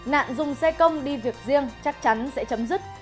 nạn dùng xe công đi việc riêng chắc chắn sẽ chấm dứt